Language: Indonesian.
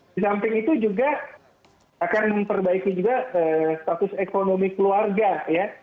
di samping itu juga akan memperbaiki juga status ekonomi keluarga ya